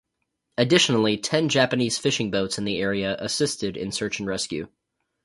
Additionally, ten Japanese fishing boats in the area assisted in search and rescue.